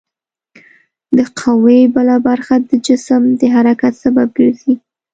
د قوې بله برخه د جسم د حرکت سبب ګرځي.